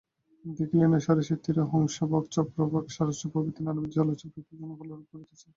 দেখিলেন ঐ সরসীর তীরে হংস, বক, চক্রবাক, সারস প্রভৃতি নানাবিধ জলচর পক্ষিগণ কলরব করিতেছে।